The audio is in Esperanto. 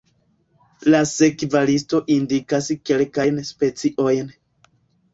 La sekva listo indikas kelkajn speciojn.